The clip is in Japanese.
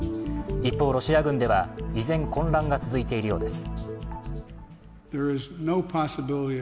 一方ロシア軍では依然、混乱が続いているようです。